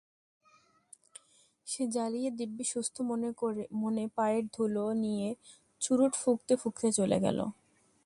সে জ্বালিয়ে দিব্যি সুস্থ মনে পায়ের ধুলো নিয়ে চুরুট ফুঁকতে ফুঁকতে চলে গেল।